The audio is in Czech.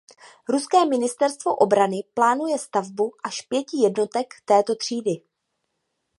Ruské ministerstvo obrany plánuje stavbu až pěti jednotek této třídy.